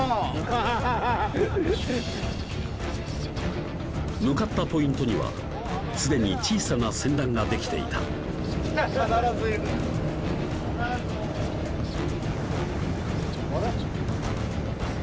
ハハハハ向かったポイントにはすでに小さな船団ができていたあれ？